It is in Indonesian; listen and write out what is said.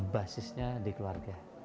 basisnya di keluarga